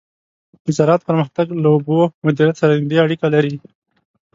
د زراعت پرمختګ له اوبو مدیریت سره نږدې اړیکه لري.